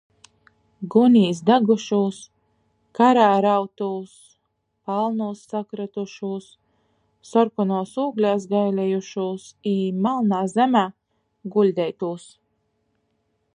Gunīs dagušūs, karā rautūs, palnūs sakrytušūs, sorkonuos ūglēs gailiejušūs i malnā zemē guļdeitūs.